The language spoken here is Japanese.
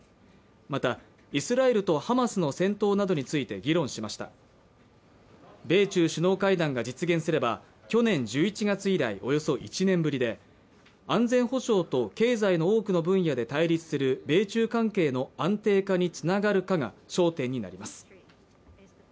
またイスラエルとハマスの戦闘などについて議論しました米中首脳会談が実現すれば去年１１月以来およそ１年ぶりで安全保障と経済の多くの分野で対立する米中関係の安定化につながるかが焦点になります